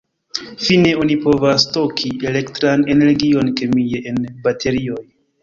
Fine, oni povas stoki elektran energion kemie en baterioj.